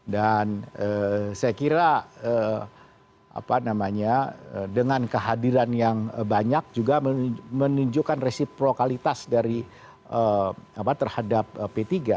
dan saya kira dengan kehadiran yang banyak juga menunjukkan resiprokalitas terhadap p tiga